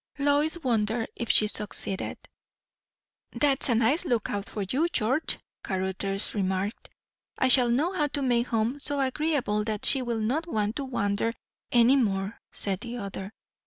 Lois wondered if she succeeded. "That's a nice look out for you, George," Caruthers remarked. "I shall know how to make home so agreeable that she will not want to wander any more," said the other.